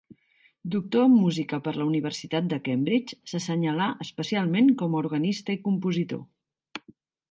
Doctor en música per la Universitat de Cambridge, s'assenyalà especialment com a organista i compositor.